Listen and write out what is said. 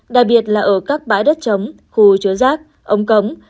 đặc biệt là ở các bãi đất trống khu chứa rác ống cống